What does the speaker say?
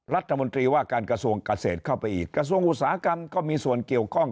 รัฐมนตรีว่าการกระทรวงเกษตรเข้าไปอีกกระทรวงอุตสาหกรรมก็มีส่วนเกี่ยวข้อง